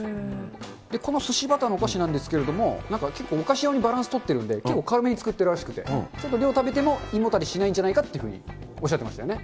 このすしバターのお菓子なんですけれども、なんか結構お菓子用にバランス取ってるんで、結構軽めに作ってるらしくてちょっと量食べても、胃もたれしないんじゃないかなっていうふうにおっしゃってましたね。